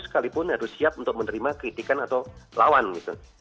sekalipun harus siap untuk menerima kritikan atau lawan gitu